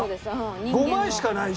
５枚しかないし。